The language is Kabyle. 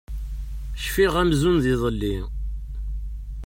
Cfiɣ amzun d iḍelli.